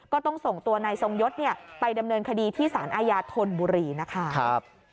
ก็ต้องส่งตัวนายทรงยศไปดำเนินคดีที่สารอาญาธนบุรีนะคะ